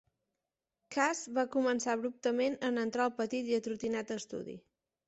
Cuss va començar abruptament, en entrar al petit i atrotinat estudi.